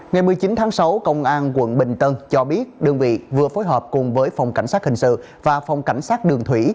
ngày một mươi chín tháng sáu công an quận bình tân cho biết đơn vị vừa phối hợp cùng với phòng cảnh sát hình sự và phòng cảnh sát đường thủy